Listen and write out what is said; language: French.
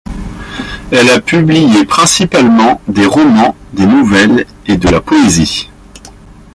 Elle a publié principalement des romans, des nouvelles et de la poésie.